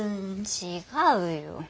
違うよ。